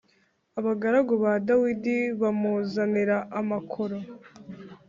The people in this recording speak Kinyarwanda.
abagaragu ba Dawidi bamuzanira amakoro